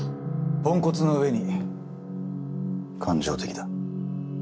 ポンコツの上に感情的だ。